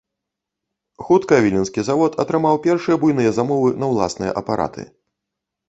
Хутка віленскі завод атрымаў першыя буйныя замовы на ўласныя апараты.